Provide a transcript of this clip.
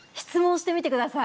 してみてください。